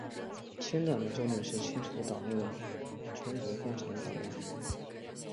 清党的重点是清除党内的中国共产党党员。